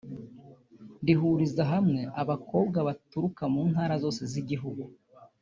rihuriza hamwe abakobwa baturuka mu Ntara zose zigize igihugu